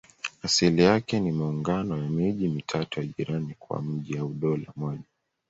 Asili yake ni maungano ya miji mitatu ya jirani kuwa mji au dola moja.